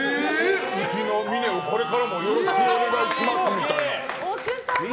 うちの峰をこれからもよろしくお願いしますみたいな。